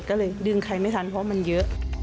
ก็เลยดึงใครไม่ทันเพราะมันเยอะ